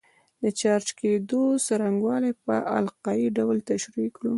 د چارج کېدو څرنګوالی په القايي ډول تشریح کړو.